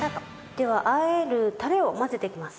では和えるタレを混ぜていきます。